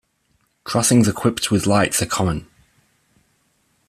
Crossings equipped with lights are common.